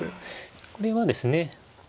これはですね